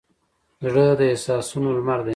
زړه د احساسونو لمر دی.